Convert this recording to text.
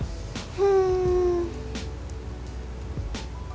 อืม